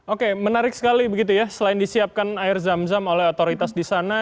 oke menarik sekali begitu ya selain disiapkan air zam zam oleh otoritas di sana